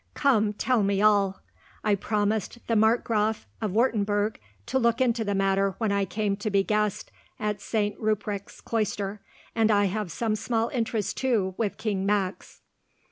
Come, tell me all. I promised the Markgraf of Wurtemburg to look into the matter when I came to be guest at St. Ruprecht's cloister, and I have some small interest too with King Max."